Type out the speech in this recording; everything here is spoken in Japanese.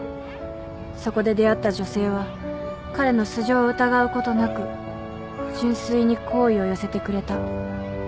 そこで出会った女性は彼の素性を疑うことなく純粋に好意を寄せてくれた。